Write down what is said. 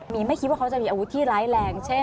มีไม่คิดว่าเขาจะมีอาวุธที่ร้ายแรงเช่น